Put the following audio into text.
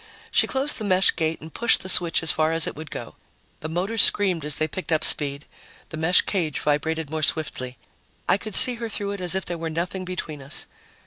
She closed the mesh gate and pushed the switch as far as it would go. The motors screamed as they picked up speed; the mesh cage vibrated more swiftly; I could see her through it as if there were nothing between us.